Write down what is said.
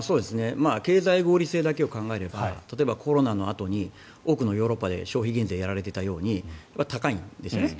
経済合理性だけを考えれば例えばコロナのあとに多くのヨーロッパで消費減税がやられていたように高いんですね。